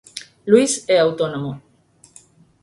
Luís é autónomo.